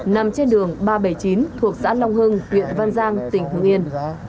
nằm trên đường ba trăm bảy mươi chín thuộc xã long hưng huyện văn giang tỉnh hưng yên